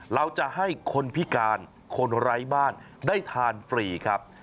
เราจะให้คนพิการคนไร้บ้านได้ทานฟรีครับ